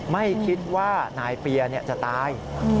ไม่คิดว่านายเปียจะตาย